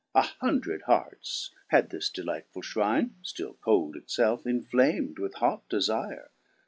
A hundred hearts had this delightfull ftirine, (Still cold it felfe) inflam'd with hot defire.